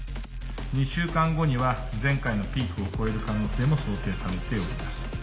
２週間後には、前回のピークを超える可能性も想定されております。